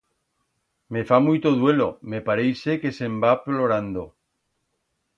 Me fa muito duelo, me parixe que se'n va plorando.